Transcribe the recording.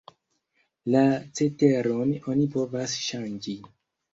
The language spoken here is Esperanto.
La ceteron oni povas ŝanĝi.